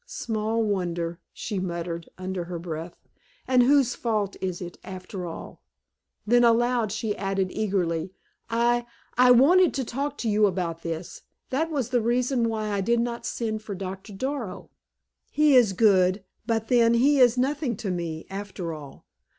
"Small wonder!" she muttered, under her breath; "and whose fault is it, after all?" Then, aloud, she added, eagerly, "I I wanted to talk to you about this; that was the reason why I did not send for Doctor Darrow. He is good, but, then, he is nothing to me, after all.